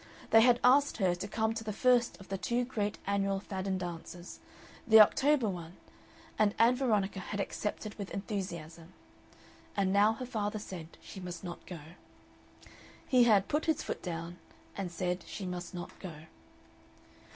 They had asked her to come to the first of the two great annual Fadden Dances, the October one, and Ann Veronica had accepted with enthusiasm. And now her father said she must not go. He had "put his foot down," and said she must not go.